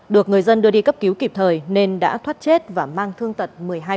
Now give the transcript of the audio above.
được người dân đưa đi cấp cứu kịp thời nên đã thoát chết và mang thương tật một mươi hai